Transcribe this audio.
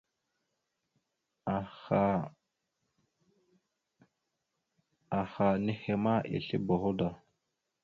Aha henne ma esle boho da.